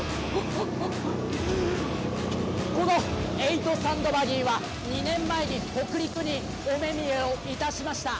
この８サンドバギーは２年前に北陸にお目見えをいたしました。